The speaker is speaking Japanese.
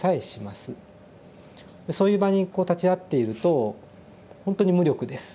そういう場にこう立ち会っているとほんとに無力です